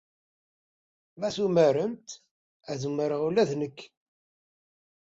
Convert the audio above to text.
Ma tumaremt, ad umareɣ ula d nekk.